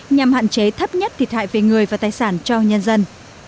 nhằm hạn chế thấp nhất thiệt hại về người và tài sản cho nhân dân